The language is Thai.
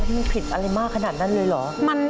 มันผิดอะไรมากขนาดนั้นเลยเหรอ